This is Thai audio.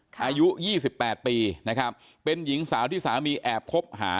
ค่ะอายุยี่สิบแปดปีนะครับเป็นหญิงสาวที่สามีแอบคบหา